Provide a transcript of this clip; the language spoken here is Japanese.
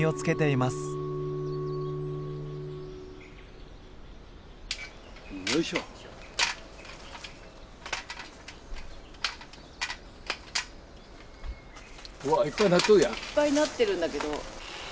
いっぱいなってるんだけど。